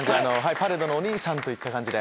パレードのお兄さんといった感じで。